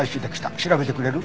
調べてくれる？